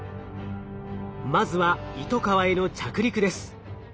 まずはイトカワへの着陸です。